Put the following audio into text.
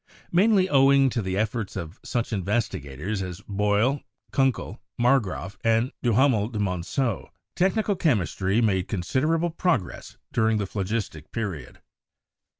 Mainly owing to the efforts of such investigators as Boyle, Kunckel, Marggraf and Duhamel du Monceau, technical chemistry made considerable progress during the Phlogistic Period.